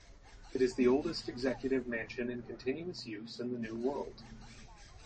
It is the oldest executive mansion in continuous use in the New World.